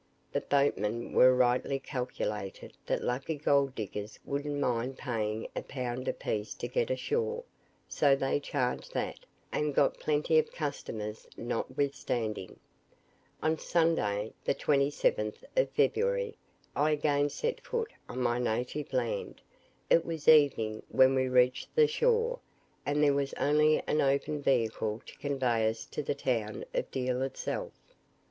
The boatmen there rightly calculated that lucky gold diggers wouldn't mind paying a pound a piece to get ashore, so they charged that, and got plenty of customers notwithstanding. On Sunday, the 27th of February, I again set foot on my native land. It was evening when we reached the shore, and there was only an open vehicle to convey us to the town of Deal itself.